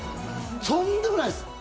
とんでもないです。